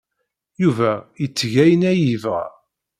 Yuba itteg ayen ay yebɣa.